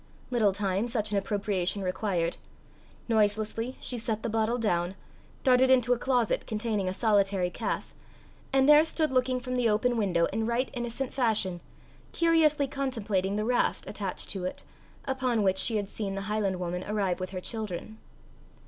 Little time such an appropriation required. Noiselessly she set the bottle down, darted into a closet containing a solitary calf, and there stood looking from the open window in right innocent fashion, curiously contemplating the raft attached to it, upon which she had seen the highland woman arrive with her children.